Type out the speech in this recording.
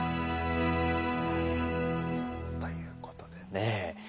ということでね。